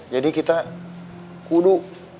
jadi kita kudu